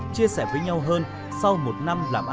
chia sẻ với nhau hơn sau một năm làm ăn vất vả